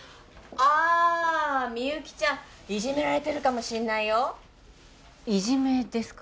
ああみゆきちゃんいじめられてるかもしんないよいじめですか？